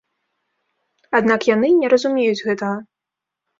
Аднак яны не разумеюць гэтага.